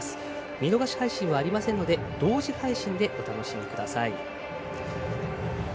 見逃し配信はありませんので同時配信でお楽しみください。